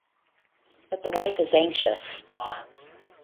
But the wife is anxious.